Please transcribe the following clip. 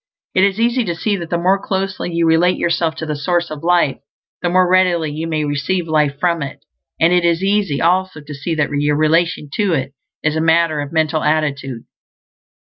It is easy to see that the more closely you relate yourself to the Source of Life the more readily you may receive life from it; and it is easy also to see that your relation to It is a matter of mental attitude.